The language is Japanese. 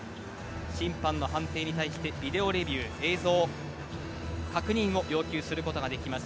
審判の判定に対してビデオレビュー映像の確認を要求することができます。